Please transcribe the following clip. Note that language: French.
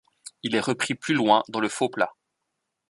Il est repris plus loin, dans le faux-plat.